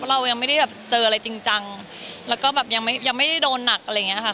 เรายังไม่ได้แบบเจออะไรจริงจังแล้วก็แบบยังไม่ได้โดนหนักอะไรอย่างนี้ค่ะ